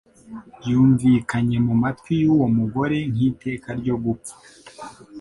yumvikanye mu matwi y'uwo mugore nk'iteka ryo gupfa.